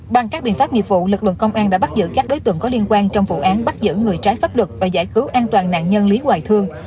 bằng các biện pháp nghiệp vụ lực lượng công an đã bắt giữ các đối tượng có liên quan trong vụ án bắt giữ người trái pháp luật và giải cứu an toàn nạn nhân lý hoài thương